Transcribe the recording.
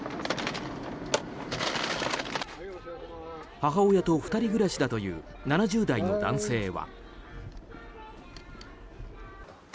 母親と２人暮らしだという７０代の男性は。